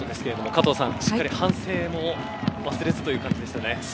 加藤さん、しっかり反省も忘れずという感じでしたね。